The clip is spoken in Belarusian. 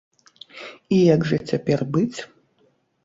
І як жа цяпер быць?